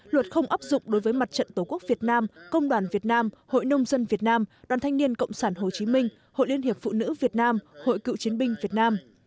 luật không áp dụng đối với mặt trận tổ quốc việt nam công đoàn việt nam hội nông dân việt nam đoàn thanh niên cộng sản hồ chí minh hội liên hiệp phụ nữ việt nam hội cựu chiến binh việt nam